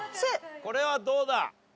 これはどうだ？